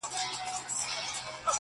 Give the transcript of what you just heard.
o نسلونه تېرېږي بيا بيا تل,